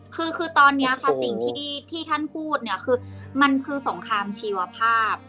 คือคือตอนนี้ค่ะสิ่งที่ท่านพูดเนี่ยคือมันคือสงครามชีวภาพ